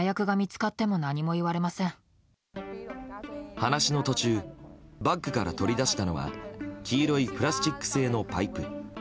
話の途中バッグから取り出したのは黄色いプラスチック製のパイプ。